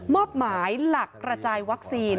อบหมายหลักกระจายวัคซีน